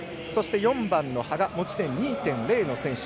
そして４番の羽賀持ち点２．０の選手。